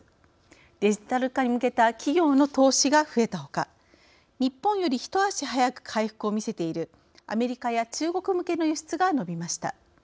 デジタル化に向けた企業の投資が増えたほか、日本より一足早く回復をみせているアメリカや中国向けの輸出が伸びました。